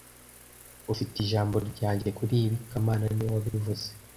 Ufite ijambo ryanjye kuri ibi kamana niwe wabivuze